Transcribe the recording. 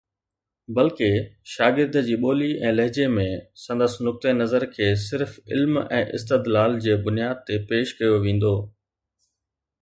بلڪه، شاگرد جي ٻولي ۽ لهجي ۾، سندس نقطه نظر کي صرف علم ۽ استدلال جي بنياد تي پيش ڪيو ويندو